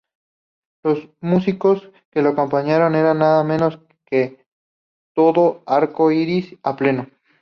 Los músicos que lo acompañaron eran nada menos que todo Arco Iris, a pleno.